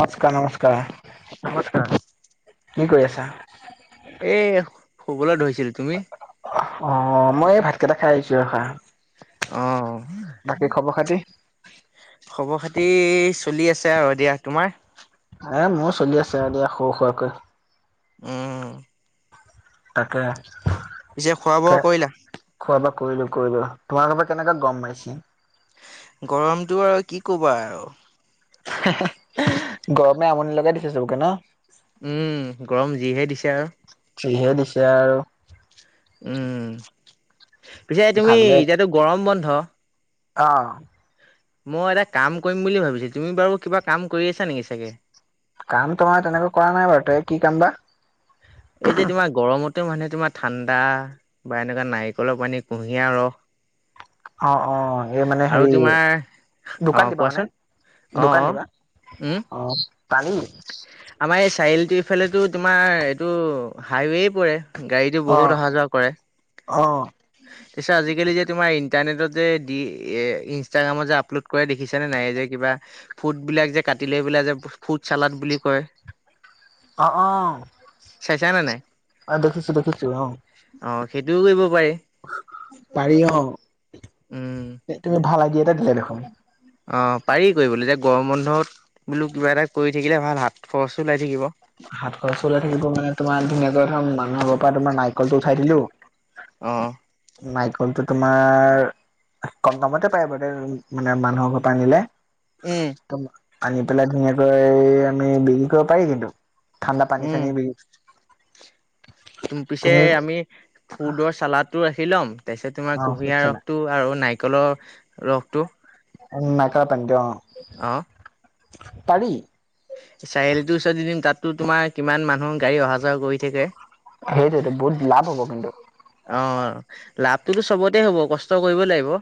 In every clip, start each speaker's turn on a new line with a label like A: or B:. A: নমস্কাৰ নমস্কাৰ, কি কৰি আছা?
B: এ শুবলৈত ধৰিছিলো, তুমি?
A: অ' মই এই ভাতকেইটা খাই আহিছো ৰখাঁ।
B: অ' অ'।
A: বাকি খবৰ খাতি?
B: খবৰ খাতি চলি আছে আৰু এ দিয়া, তোমাৰ?
A: এ ময়ো চলি আছে আৰু দিয়া সৰু সুৰাকৈ।
B: উম।
A: তাকে।
B: পিছে খোৱা বোৱা কৰিলা?
A: খোৱা বোৱা কৰিলো কৰিলো, তোমাৰৰ কেনেকোৱা গৰম মাৰিছে?
B: গৰমতো আৰু কি কবা আৰু।
A: গৰমে আমনি লগাই দিছে চবকে ন।
B: উম গৰম যিহে দিছে আৰু।
A: জিহে দিছে আৰু।
B: উম, পিছে তুমি
A: ভালকে
B: এতিয়াতো গৰম বন্ধ।
A: অ'।
B: মইও এটা কাম কৰিম বুলি ভাবিছো, তুমি বাৰু কিবা কাম কৰি আছা নেকি চাগে।
A: কাম তোমাৰ তেনেকৈ কৰা নাই বাৰু, তেও কি কাম বা।
B: এই যে তোমাৰ গৰমতে মানহে তোমাৰ ঠাণ্ডা বা এনেকুৱা নাৰিকলৰ পানী কুঁহিয়াৰ ৰস।
A: অ' অ' এই মানে
B: আৰু
A: হেৰি
B: তোমাৰ
A: দোকান
B: অ',
A: দিবা, মানে
B: কোৱাচোন অ',
A: দোকান
B: অ',
A: দিবা?
B: উম
A: অ' পাৰি।
B: আমাৰ এই চাৰিআলিটো ইফালেতো তোমাৰ এইটো হাইৱ পৰে। গাড়ীতো
A: অ'
B: বহুত অহা যোৱা কৰে।
A: [inaudible]
B: আজিকালি যে তোমাৰ ইণ্টাৰনেটত যে দি ইনষ্টাগ্ৰামত যে আপলোড কৰা দেখিছানে নাই যে কিবা ফ্ৰুডবিলাক যে কাটি লে পেলাই, যে ফ্ৰুড চালাড বুলি কয়।
A: অ' অ'।
B: ছাইচানে নাই?
A: অ' দেখিছো দেখিছো অ'।
B: অ' সেইটো কৰিব পাৰি।
A: পাৰি অ'
B: উম,
A: তুমি ভাল আইডা এটা দিয়া দেখোন।
B: অ' পাৰি কৰিবলৈ, এতিয়া গৰম বন্ধত বোলো কিবা এটা কৰি থাকিলে ভাল, হাত খৰচো ওলাই থাকিব।
A: হাত খৰচ ওলাই থাকিব, মানে তোমাৰ টো মানে মেজৰকাম মানুহৰ পৰা তোমাৰ নাই কলটো উঠাই দিলো,
B: অ'
A: নাইকলটো তোমাৰ কম দামতে পায় বাৰু মানে মানুহৰ ঘৰ পৰা আনিলে।
B: উম।
A: তুমি আনি পেলাই ধুনীয়াকৈ আমি বিক্ৰী কৰিব পাৰি, কিন্তু ঠাণ্ডা পানী
B: উম,
A: চানী বি
B: তুম পিছে আমি ফ্ৰুডৰ চালাডটো ৰাখি লম। তাৰপিছত
A: অ
B: তোমাৰ কুঁহিয়াৰ
A: বুজিছানা
B: ৰসটো আৰু নাৰিকলৰ ৰসটো।
A: উম নাৰিকলৰ পানিটো অ'।
B: অ'।
A: পাৰি।
B: চাৰিআলি টোৰ ওচৰত দি দিম তাততো তোমাৰ কিমান মানুহ গাড়ী অহা যোৱা কৰি থাকে।
A: সেইতোটো বহুত লাভ হ'ব কিন্ত।
B: অ' লাভটুতো চবতে হ'ব, কষ্ট কৰিব লাগিব।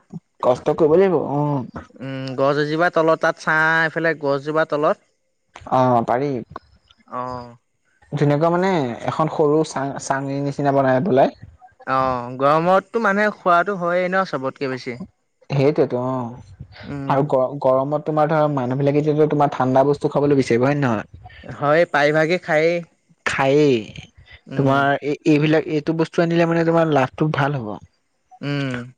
A: কষ্ট কৰিব লাগিব অ'।
B: উম গছ এজোপা তলত তাত চা ইফালে গছজোপাৰ তলত।
A: অ' পাৰি।
B: অ'।
A: ধুনিয়াকৈ মানে এখন সৰু চাং চাঙিৰ নিচিনা বনাই পেলাই।
B: অ' গৰমততো মানে খোৱাটো হয়েই ন চবতকে বেছি।
A: সেইটোৱেতো
B: উম
A: অ' আৰু গ গৰমত তোমাৰ ধৰা মানুহ বিলাক যদি তোমাৰ ঠাণ্ড ব্স্তু খাবলে বিচাৰিব, হয় নে নহয়।
B: হয় প্ৰাইভাগে খাইয়ে।
A: খায়েই, তোমাৰ, এই এইবিলাক এইটো বস্তু আনিলে মানে তোমাৰ লাভটো ভাল হ'ব।
B: উম।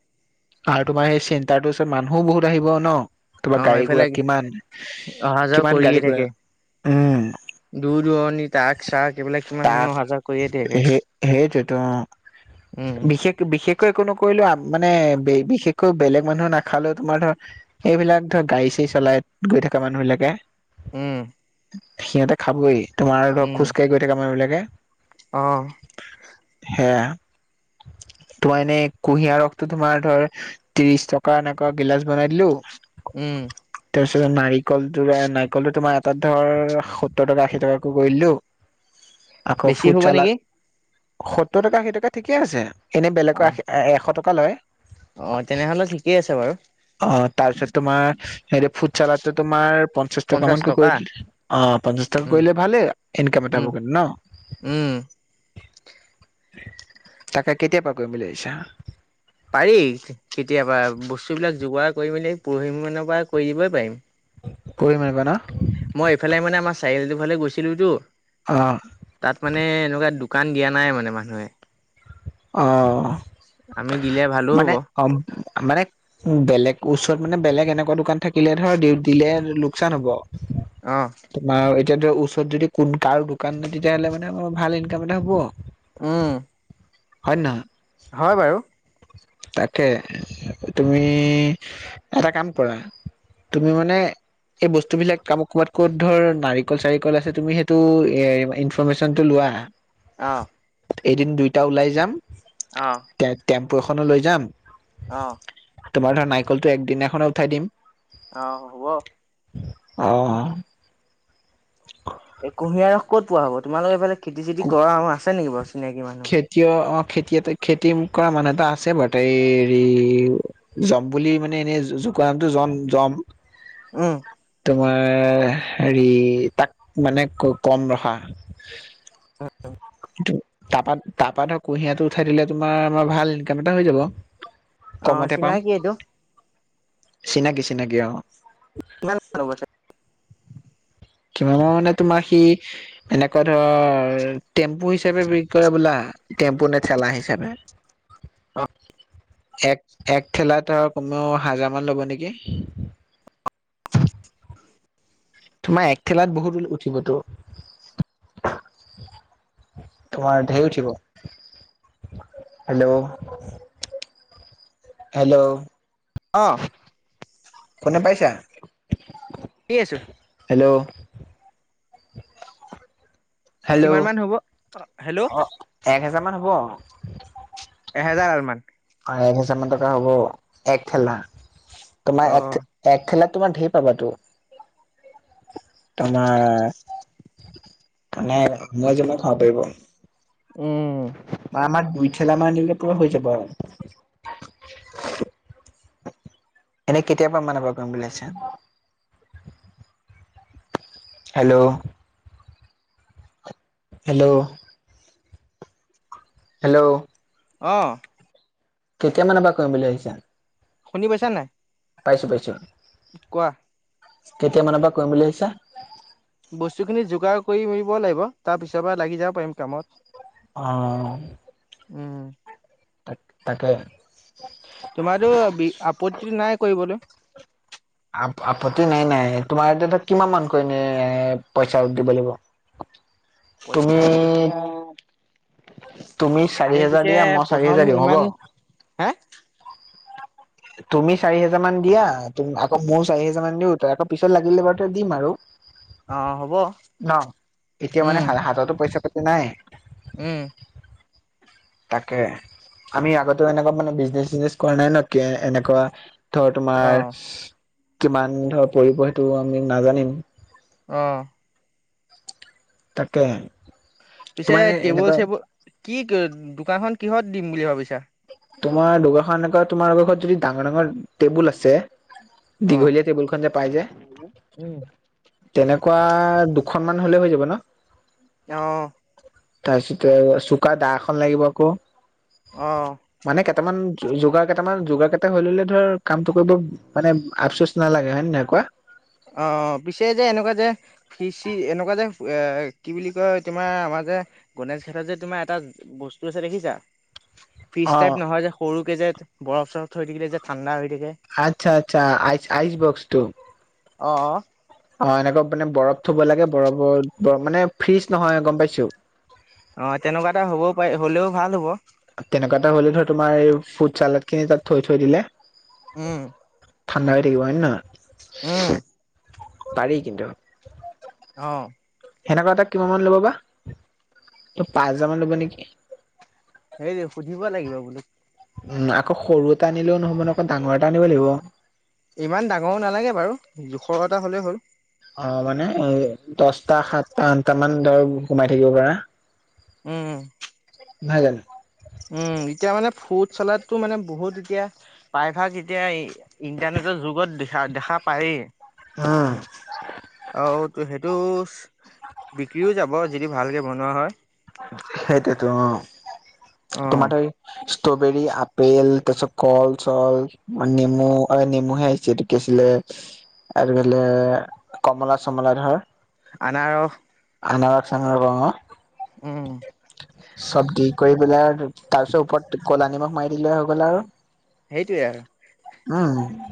A: আৰু তোমাৰ সেই চেণ্টাৰটোৰ ওচৰত মানুহোও বহুত আহিব ন।
B: অ
A: তোমাৰ গাড়ী
B: এইফালে
A: গুৰা কিমান,
B: অহা যোৱা
A: কিমান
B: কৰিয়ে
A: গাড়ী ঘুৰা,
B: থাকে
A: উম।
B: দূৰ দূৰণিত ৰ্তাক ৰ্চাক, এইবিলাক কিমান
A: তাত
B: মানুহ অহা যোৱা কৰিয়ে থাকে।
A: সেই সেইটোৱে অ'।
B: উম।
A: বিশেষ বিশেষকৈ একো নকৰিলোও মানে বিশেষকৈ বেলেগ মানুহ নাখালেঁও, তোমাৰ ধৰা এইবিলাক ধৰ গাড়ী চাড়ী চলাই গৈ থকা মানুহ বিলাকে।
B: উম।
A: সিহঁতে খাবই, তোমাৰ ধৰক
B: উম
A: খোজকাঢ়ি গৈ থাকা মানুহ বিলাকে।
B: অ'।
A: সেয়া, তোমাৰ এনেই কুঁহিয়াৰ ৰসটো তোমাৰ ধৰ ত্ৰিশ টকা এনেকুৱা গিলাচ বনাই দিলো।
B: উম।
A: তাৰপিছত নাৰিকলটো, নাৰিকলটো তোমাৰ এটাত ধৰ সত্তৰ টকা আশী টকাকো কৰিলো। [inaudible] আকৌ
B: বেছি
A: ফুড
B: হ'ব
A: চালাড,
B: নেকি
A: সত্তৰ টকা আশী টকা ঠিকে আছে, এনেই
B: অ
A: বেলেগৰ আশী এশ টকা। কলৈ।
B: অ' তেনেহলে ঠিকেই আছে বাৰু।
A: অ' তাৰপিছত তোমাৰ হেৰি ফুট চালাটো তোমাৰ প পঞ্চাশ টকা মানকে কৰি দিলে, অ' পঞ্চাশ টকা
B: উম
A: কৰিলে ভালে, ইনকাম এটা
B: উম
A: কৰিব ন।
B: উম।
A: তাক কেতিয়া পৰা কৰিল বুলি ভাবিছা।
B: পাৰি, কেতিয়াবা বস্তুবিলাক যোগাৰ কৰি মেলি পৰহি মানৰ পৰা কৰি দিবই পাৰিম।
A: কৰিব পাৰিবা ন।
B: মই এইফালে মানে আমাৰ চাৰিআলিটো ফালে গৈছিলোঁতো।
A: অ'।
B: তাত মানে এনেকুৱা দোকান দিয়া নাই মানে মানুহে।
A: অ'
B: আমি দিলে ভালো
A: মানে
B: হ'ব
A: অ' মানে বেলেগ ওচৰত মানে বেলেগ এনেকুৱা দোকান থাকিলে ধৰ দিলে লোকচান হ'ব।
B: অঁ।
A: বাৰু এতিয়া ধ ওচৰত যদি কোন কাৰ দোকান নাই তেতিয়াহ'লে মানে আৰ ভাল ইনকাম এটা হ'ব।
B: উম।
A: হয় নে নহয়?
B: হয় বাৰু।
A: তাকে তুমি, এটা কাম কৰা তুমি মানে এই বস্তু বিলাক ক ক'বাত ক'ত ধৰ নাৰিকল চাৰিকল আছে তুমি সেইটো এ প্ৰমিচনটো লোৱা।
B: অঁ।
A: এদিন দুইটা ওলাই যাম।
B: অ
A: টে টেম্পু এখনও লৈ যাম।
B: অহ।
A: তোমাৰ ধৰা নাৰিকলটো একদিনাখনে উঠাই দিম।
B: অঁ, হ'ব।
A: অ।
B: এ কুঁহিয়াৰ ৰস কত পোৱা হব তোমালোকে এইফালে খেতি চেতি
A: অ
B: কৰা আছে নেকি বাৰু চিনাকি মানুহ।
A: খেতিয় অ খেতিয় খেতি কৰা মানুহ এটা আছে বাৰ হেৰি। যম বুলি মানে এনেই জোকোৱা নামটো এনে যম যম।
B: উম।
A: তোমাৰ হেৰি তাক মানে কম ৰখা। তা পাত তাপাত ধৰ কুঁহিয়াটো উঠাই দিলে তোমাৰ আমাৰ ভাল ইনকাম এটা হৈ যাব।
B: অ
A: কমতে পাম
B: চিনাকি এইটো
A: চিনাকি চিনাকি অ।
B: কিমান হ'ব।
A: কিম মানে তোমাৰ সি। এনেকুৱা ধৰ টেম্পু হিচাপে বিক কৰে বোলা টেম্পু নে ঠেলা হিচাপে। [unintelligible]
B: অ
A: এক এক ঠেলা তৰ কমেও হাজাৰ মান ল'ব নেকি? তোমাৰ একঠেলাত বহুতল উঠিবতো। তোমাৰ ঢেৰ উঠিব। Hello hello.
B: অঁ।
A: শুনি পাইছা?
B: শুনি আছোঁ।
A: হেল্ল'। হেল্ল'
B: কিমান মান হ'ব হেল্ল'
A: অ এক হেজাৰ মান হ'ব।
B: এহেজাৰ দালমান।
A: অ এক হোজাৰ মান টকা হ'ব এক ঠেলা
B: অ
A: তোমাৰ এক। এক খেলাত তোমাৰ ঢেৰ পাবাতো। তোমাৰ মানে আ যেমই খাব পাৰিব।
B: উম।
A: ম আমাৰ দুই ঠেলামান দিলে পূৰা হৈ যাব আৰু। এনেই কেতিয়া পৰা মান পৰা কৰিম বুলি ভাবিছা? হেল্ল'। Hello hello.
B: অঁ।
A: কেতিয়া মানৰ পৰা কৰিম বুলি ভাবিছা?
B: শুনি পাইছা নাই?
A: পাইছো পাইছো।
B: কোৱা।
A: কেতিয়া মানৰ পৰা কৰিম বুলি ভাবছা?
B: বস্তুখিনি যোগাৰ কৰি লাগিব তাৰ পিছৰ পৰা লাগি যাব পাৰিম কামত।
A: অঁ।
B: উম।
A: ত তাক।
B: তোমাৰটো আপত্তি নাই কৰিবলৈ।
A: আপত্তি নাই নাই তোমাৰ এতিয়া ধ কিমান মানকৈ এনে পইচা দিব লাগিব। [unintelligible] তুমি
B: পইচা যে
A: তুমি চাৰি
B: আমি
A: হেজাৰ
B: পিছে
A: দিয়া মই চাৰি
B: প্ৰথম
A: হেজাৰ দিওঁ হ'ব
B: ইমান। হে?
A: তুমি চাৰি হেজাৰ মান দিয়া আকৌ ময়ো চাৰি হেজাৰ মান দিও আকৌ পিছত লাগিলে বাৰু ত দিম আৰু
B: অ হ'ব
A: ন এতিয়া
B: উম
A: মানে হাততো পইচা পাতি নাই।
B: উম।
A: তাকে আমি আগতেও এনেকুৱা মানে বিজনেচ চিজনেচ কৰা নাই ন কি এনেকুৱা। ধৰ
B: অ
A: তোমাৰ কিমান ধৰ পৰিব সেইটো আমি নাজানিম।
B: অঁ।
A: তাকে।
B: পিছে
A: তোমাৰ এনে
B: টেবুল
A: এনেকুৱা
B: চেবুল কি দোকানখন কিহত দিম বুলি ভাবিছা?
A: তোমাৰ দগাখন এনেকুৱা তোমাৰ আৰ ঘৰত যদি ডাঙৰ ডাঙৰ টেবুল আছে।
B: অ
A: দীঘলীয়া টেবুলখন যে পাইজে।
B: উম
A: তেনেকুৱা দুখন মান হলে হৈ যাব ন।
B: অঁ।
A: তাৰপিছতে চোকা দা এখন লাগিব আকৌ।
B: অঁ।
A: মানে কেইটামান যোগাৰ কেইটামান যোগাৰ কেইটা হৈ ললে ধৰ কামটো কৰিব। মানে আফচোচ নালাগে হয় নে নহয় কোৱা?
B: অঁ, পিছে যে এনেকুৱা যে, ফি চি এনেকুৱা যে এ কি বুলি কয় তোমাৰ আমাৰ যে গণেশ ঘাটৰ যে তোমাৰ এটা বস্তু আছে দেখিছা?
A: [inaudible]
B: ফিজ টাইপ নহয় যে সৰুকে যে বৰফ চৰফ থাকিলে যে ঠাণ্ডা হৈ থাকে।
A: আচ্ছা আচ্ছা আইচ আইচ বক্সটো।
B: অঁ, অঁ।
A: অঁ, এনেকুৱা মানে বৰফ থব লাগে বৰফত বৰ মানে ফ্ৰিজ নহয় গম পাইছো।
B: অঁ। তেনেকুৱা এটা হ'বও পাৰি হলেও ভাল হ'ব।
A: তেনেকুৱা এটা হ'লে ধৰ তোমাৰ এই ফুড চালাড খিনি তাত থৈ থৈ দিলে।
B: উম।
A: ঠাণ্ডা হৈ থাকিব হয় নে নহয়।
B: উম',
A: পাৰি কিন্তু',
B: অহ',
A: সেনেকুৱা এটা কিমান মান ল'ব বা, ত পাঁচ হাজাৰ মান ল'ব নেকি?
B: হেৰি, সুধিব লাগিব বোলোঁ',
A: উম', আকৌ সৰু এটা আনিলেও নহ'ব ন অকণ ডাঙৰ এটা আনিব লাগিব',
B: ইমান ডাঙৰো নালাগে বাৰু, জোখৰ এটা হ'লেই হ'ল',
A: অহ', মানে এই দছটা সাতটা আঠটা মান ধৰ সোমাই থাকিব পাৰা?
B: উম', -উম',
A: নাই জানোঁ',
B: উম', এতিয়া মানে ফ্ৰুড চালডটো মানে বহুত এতিয়া, প্ৰায়ভাগ এতিয়া এই', ইণ্টাৰনেটৰ যুগত দেখা - দেখা পায়েই',
A: উম
B: আহও সেইটোছ', বিক্ৰী হয় যাব যদি ভালকৈ বনোৱা হয়',
A: সেইটোতো অহ', তোমাৰ তাৰে', ষ্ট্ৰবেৰী আপেল তাৰপিছত কল - চল, মানে নেমু অ', নেমুহে আহিছে এইটোত', কি আছিলে, আৰু কমলা - চমলা ধৰ',
B: আনাৰস',
A: আনাৰস - চানাৰস অহ',
B: উম
A: চব দিক', কৰি পিলে আৰু তাৰ পিছত ওপৰত ক'লা নিমখ মাৰি দিলে হৈ গ'ল আৰু',
B: সেইটোৱে আৰু',
A: উম',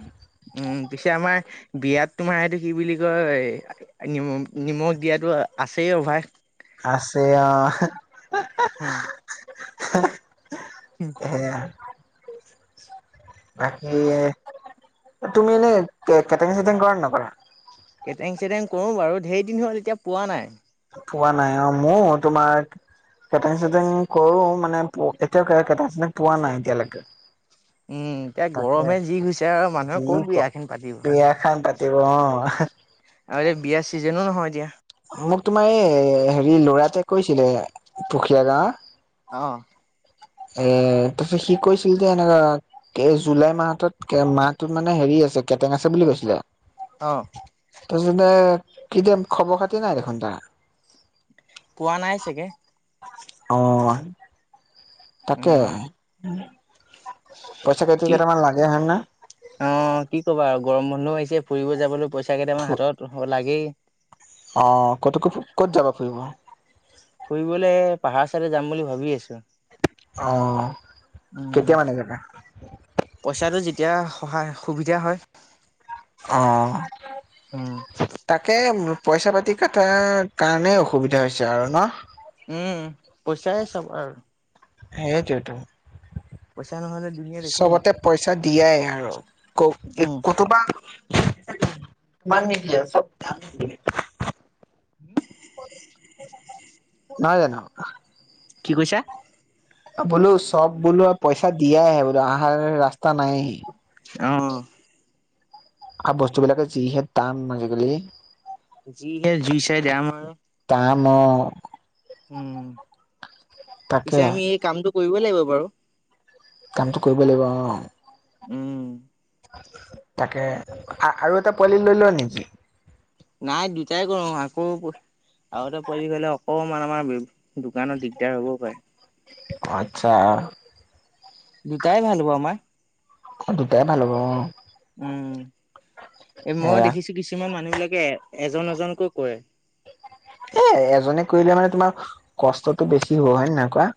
B: উম', -উম', পিছে আমাৰ', বিয়াত তোমাৰ এইটো কি বুলি কয়, নিম-নিমখ দিয়াতো আ', - আছেই অভ্যাস',
A: আছে অহ', হা',
B: হোম', উম',
A: সেয়া বাকী ইয়ে, তুমি এনেই, কে', - কেটেং - চেটেং কৰা নে নকৰা?
B: কেটেং - চেটেং কৰোঁ বাৰু, ধেৰ দিন হ'ল এতিয়া পোৱা নাই',
A: পোৱা নাই অহ', মোৰ তোমাৰ', কেটেং - চেটেং কৰোঁ মানে পো', এতিয়াও কেট', -কেটেং- চেটেং পোৱা নাই এতিয়ালৈকে',
B: উম', -উম', এতিয়া
A: তাকে
B: গৰমে যি গৈছে আৰু মানুহে ক'ত বিয়া খিনি পাতিব',
A: বিয়াখান পাতিব অহ', হাহা',
B: আৰে বিয়াৰ চিজনো নহয় এতিয়া',
A: মোক তোমাৰ এই হেৰি ল'ৰাটোয়ে কৈছিলে, পুখীয়া গাওঁ',
B: অহ',
A: এ, তাৰপিছত সি কৈছিল যে এনেকা', কে জুলাই মাহটোত কে মাহটোত মানে হেৰি আছে কেটেং আছে বুলি কৈছিলা?
B: অহ',
A: তাৰপিছতে এতিয়া খবৰ - খাতি নাই দেখোন তাৰ',
B: পোৱা নাই চাগে',
A: অহ', আই', তাকে,
B: উম
A: উম', পইচা - কেইতি কেইটামান লাগে হয় নে?
B: অহ', কি কবা আৰু গৰম বন্ধ আহিছে ফুৰিব যাবলৈ পইচা কেইটামাৰ হাতত লাগেই',
A: অহ', কতো - কতো - ক'ত যাবা ফুৰিব?
B: ফুৰিবলৈ পাহাৰ চাইড যাম বুলি ভাবি আছো।
A: অঁ,
B: উম।
A: কেতিয়া মানে জাবা?
B: পইচাটো যেতিয়া সহায় সুবিধা হয়।
A: অঁ।
B: উম।
A: তাকে পইচা পাতি কটাৰ কাৰণেই অসুবিধা হৈছে আৰু ন?
B: উম পইচাই চব আৰু।
A: সেইটোইটো।
B: পইচা নহ'লে দুুনীয়াত একো নাই।
A: চবতে পইচা দিয়াই আৰু ক
B: উম,
A: কতোবা মানকব [unintelligible]
B: হ [inaudible]
A: নহয় জানো?
B: কি কৈছা?
A: বোলো চব বোলো আৰু পইচা দিয়াই আহে বোলো আহাৰ ৰাস্তা নাইয়ে।
B: অঁ।
A: আৰু বস্তুবিলাকে যিহে দাম আজিকালি।
B: জি হে জুই চাই দাম আৰু
A: তাম
B: উম
A: তাকে
B: পিছে আমি এই কামটো কৰিবই লাগিব বাৰু।
A: কামটো কৰিব লাগিব অঁ।
B: উম,
A: তাকে আৰু এটা পোৱালি লৈ লোৱা নেকি?
B: নাই দুটাই কৰো আকৌ আগতে পোৱালি গলেও, অমান আমাৰ দোকানত দিগদাৰ হ'বও পাৰে।
A: অঁ, আচ্ছা।
B: দুটাই ভাল হ'ব আমাৰ।
A: অ দুটাই ভাল হ'ব অ।
B: উম এ মই
A: সেয়া
B: দেখিছো কিছুমান মানুহ বিলাকে এ এজন এজনকৈ কৰে।
A: এ এজনে কৰিলে মানে তোমাৰ কষ্টতটো বেছি হ'ব হয়ে নহ কোৱা?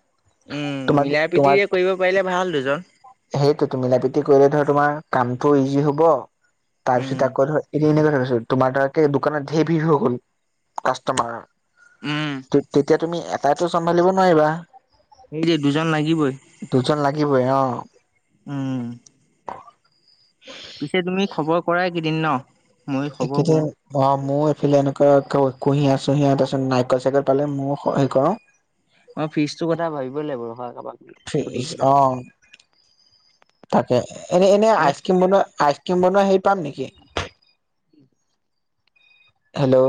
B: উম
A: তোমাৰ
B: মিলা প্ৰীতিৰে কৰিব পাৰিলে ভাল দুজন।
A: সেইটোতো মিলা প্ৰীতি কৰিলে ধৰ তোমাৰ কামটো ইজি হব
B: উম।
A: তাৰপিছত আকৌ ধৰ [unintelligible] তোমাৰ তে দোকানত ঢেৰ ভিৰ হৈ গ'ল কাষ্টমাৰ।
B: উম।
A: তেতিয়া তুমি এটাইতো চম্ভালিব নোৱাৰিবা,
B: এই দুজন লাগিবই।
A: দুজন লাগিবই অঁ।
B: উম পিছে তুমি খবৰ কৰাই কি দিম ন? মই খবৰ কৰো
A: এইকেইদিন। অ মোৰ এইফালে এনেকুৱা কুঁহিয়া চুঁহিয়া তাৰপিছত নাৰিকল চাইিকল পালে মই হে কৰো।
B: মই ফিজ টো কথা ভাবিবই লাগিব ৰখা কাৰোবাক। সুধি
A: ফ্ৰীজ
B: পেলাই
A: অ তাকে এনে এনে আইচ ক্ৰীম বনোৱা আইচ। কিম বনোৱা হেৰি পাম নেকি হেল্ল'?